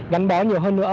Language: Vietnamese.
gánh bó nhiều hơn nữa